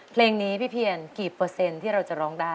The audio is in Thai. เพลงนี้พี่เพียรกี่เปอร์เซ็นต์ที่เราจะร้องได้